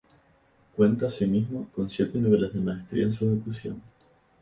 Cuenta asimismo, con siete niveles de maestría en su ejecución.